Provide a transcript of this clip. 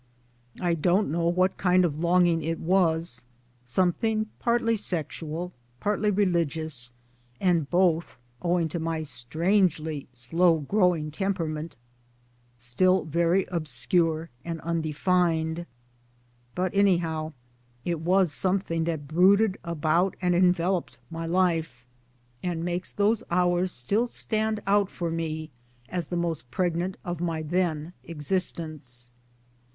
I don't know what kind of longing it was something partly sexual, partly religious, and both, owing to my strangely slow growing temperament, still very obscure and undefined ; but anyhow it was something that brooded about and enveloped my life, and makes 4 50 MY DAYS AND DREAMS those hours still stand out for me as the most preg nant of my then existence.